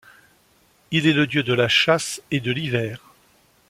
Il est le dieu de la chasse et de l'hiver.